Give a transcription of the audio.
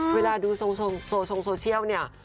เวลาดูทรงโซเชียลเนี่ย